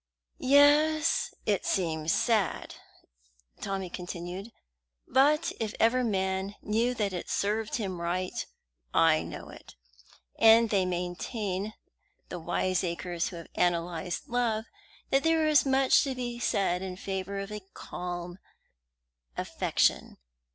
"Yes, it seems sad," Tommy continued; "but if ever man knew that it served him right, I know it. And they maintain, the wiseacres who have analyzed love, that there is much to be said in favour of a calm affection.